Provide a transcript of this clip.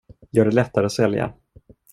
Gör det lättare att sälja.